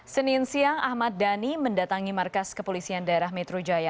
senin siang ahmad dhani mendatangi markas kepolisian daerah metro jaya